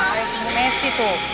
kayak si mamesi tuh